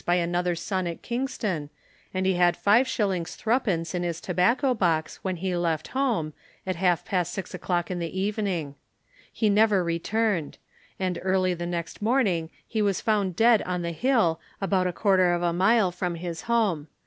by another son at Kingston, and he had 5s. 3d. in his tobacco box when he left home, at half past six o'clock in the evening. He never returned; and early the next morning he was found dead on the hill, about a quarter of a mile from his home.